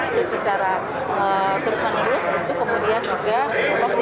itu secara terus menerus